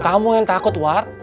kamu yang takut ward